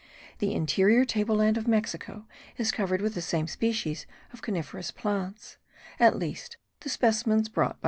The interior table land of Mexico is covered with the same species of coniferous plants; at least the specimens brought by M.